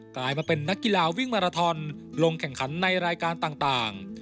กลายมาเป็นนักกีฬาวิ่งมาราทอนลงแข่งขันในรายการต่าง